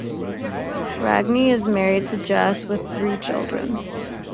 Ragni is married to Jess, with three children.